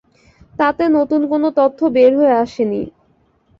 তাতে নতুন কোনো তথ্য বের হয়ে আসে নি।